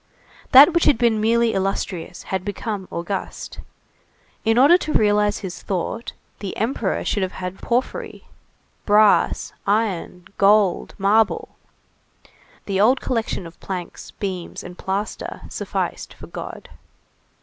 That which had been merely illustrious, had become august. In order to realize his thought, the Emperor should have had porphyry, brass, iron, gold, marble; the old collection of planks, beams and plaster sufficed for God.